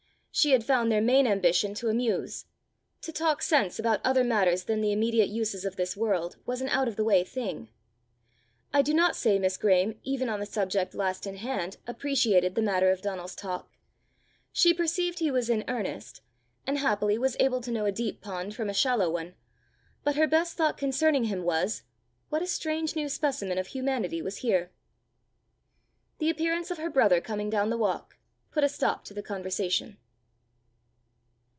She had found their main ambition to amuse; to talk sense about other matters than the immediate uses of this world, was an out of the way thing! I do not say Miss Graeme, even on the subject last in hand, appreciated the matter of Donal's talk. She perceived he was in earnest, and happily was able to know a deep pond from a shallow one, but her best thought concerning him was what a strange new specimen of humanity was here! The appearance of her brother coming down the walk, put a stop to the conversation.